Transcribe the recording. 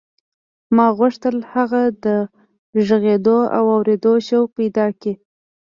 ما غوښتل هغه د غږېدو او اورېدو شوق پیدا کړي